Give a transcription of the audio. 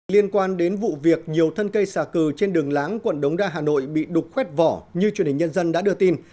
liên quan đến vụ việc nhiều thân cây xà cừ trên đường láng quận đống đa hà nội bị đục khoét vỏ như truyền hình nhân dân đã đưa tin